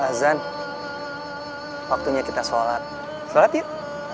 azan waktunya kita sholat sholat yuk